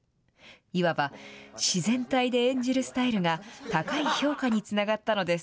いわば、自然体で演じるスタイルが、高い評価につながったのです。